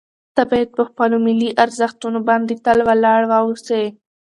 ته باید په خپلو ملي ارزښتونو باندې تل ولاړ واوسې.